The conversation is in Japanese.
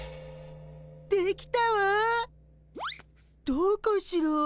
どうかしら？